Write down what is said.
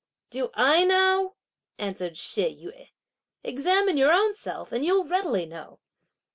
"Do I know?" answered She Yüeh, "examine your own self and you'll readily know!"